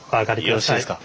よろしいですか？